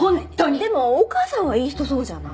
でもお母さんはいい人そうじゃない。